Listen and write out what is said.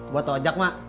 buat ojak mak